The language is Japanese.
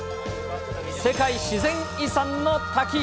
世界自然遺産の滝。